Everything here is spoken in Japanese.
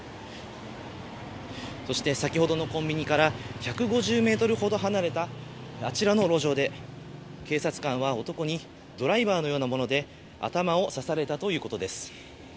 そして先ほどのコンビニから１５０メートルほど離れたあちらの路上で、警察官は男にドライバーのようなもので頭を刺されたということです。